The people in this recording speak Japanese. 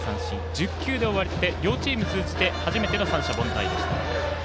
１０球で終わって両チーム、通じて初めての三者凡退でした。